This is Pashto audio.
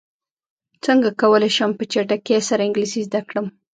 څنګه کولی شم په چټکۍ سره انګلیسي زده کړم